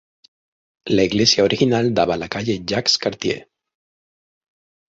La iglesia original daba a la calle Jacques -Cartier.